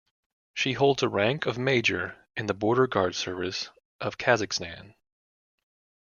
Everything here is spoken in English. She holds a rank of Major in the Border Guard Service of Kazakhstan.